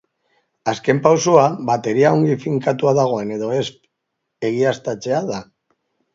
Azken pausoa bateria ongi finkatua dagoen edo ez egiaztatzea da.